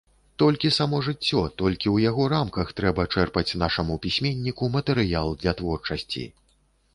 Толькі само жыццё, толькі ў яго рамках трэба чэрпаць нашаму пісьменніку матэрыял для творчасці.